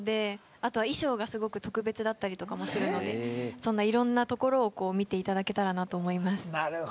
あとは衣装がすごく特別だったりするのでそんないろんなところを見ていただけたらなと思います。